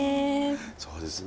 そうですね。